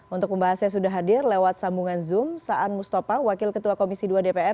untuk pembahasnya sudah hadir lewat sambungan zoom saan mustafa wakil ketua komisi dua dpr